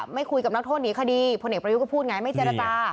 ไม่คุยกับนักโทษหนีคดีพลเอกประยุทธ์ก็พูดไงไม่เจรจา